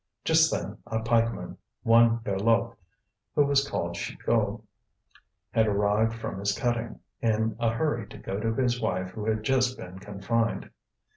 Just then a pikeman, one Berloque, who was called Chicot, had arrived from his cutting, in a hurry to go to his wife who had just been confined.